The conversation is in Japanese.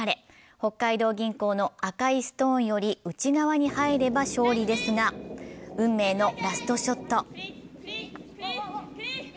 北海道銀行の赤いストーンより内側に入れば勝利ですが、運命のラストショット。